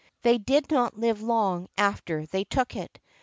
They did not live long after they took it.